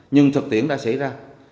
nhưng thực tiễn đã xảy ra